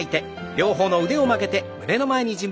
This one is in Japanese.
両方の腕を曲げて胸の前。